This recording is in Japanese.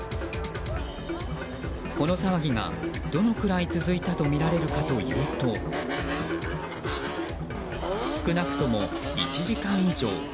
この騒ぎがどのぐらい続いたとみられるかというと少なくとも１時間以上。